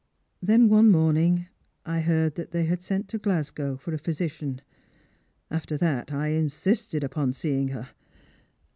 Then one morning I heard they had sent to Glasgow for a physician. After that, I insisted upon seeing her.